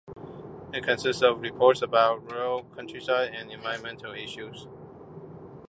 It consists of reports about rural, countryside and environmental issues.